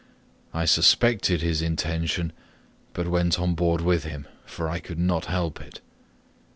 I suspected his intention, but went on board with him, for I could not help it.